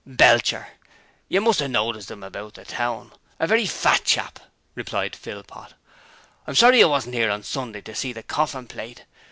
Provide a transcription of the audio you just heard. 'Belcher. You must 'ave noticed 'im about the town. A very fat chap,' replied Philpot. 'I'm sorry you wasn't 'ere on Saturday to see the corfin plate.